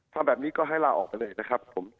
ทำแบบนี้ก็ให้ลาออกไปเลยนะครับผม